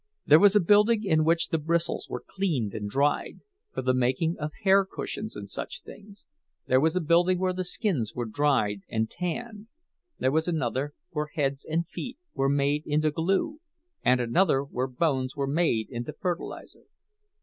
There was a building in which the bristles were cleaned and dried, for the making of hair cushions and such things; there was a building where the skins were dried and tanned, there was another where heads and feet were made into glue, and another where bones were made into fertilizer.